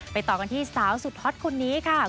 ต่อกันที่สาวสุดฮอตคนนี้ค่ะ